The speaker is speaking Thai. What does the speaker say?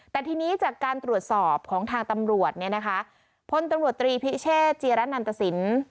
แต่ทีนี้จากการตรวจสอบของทางตำรวจเนี่ยนะคะพลตำรวจตรีพิเชษจีระนันตสิน